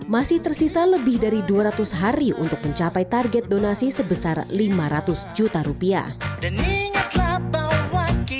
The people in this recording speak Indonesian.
masih tersisa lebih dari dua ratus hari untuk mencapai target donasi sebesar lima ratus juta rupiah